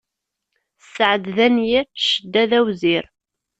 Sseɛd d anyir, cedda d awzir.